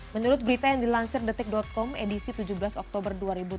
menurut berita yang dilansir detik com edisi tujuh belas oktober dua ribu tujuh belas